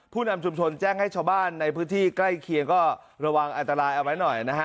นำชุมชนแจ้งให้ชาวบ้านในพื้นที่ใกล้เคียงก็ระวังอันตรายเอาไว้หน่อยนะฮะ